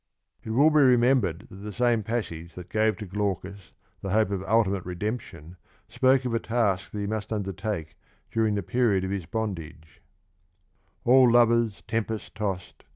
It will be remembered that the same message that ,,0 tank 01 gave to Glaucus the hope of ultimate redemption spoke of a task that he must undertake during the period of his bondage : all lovers tempest tost, .